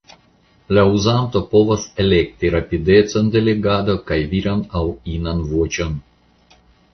La uzanto povas elekti rapidecon de legado kaj viran aŭ inan voĉon.